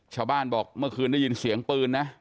ชาวบ้านบอกเมื่อคืนได้ยินเสียงปืนนะ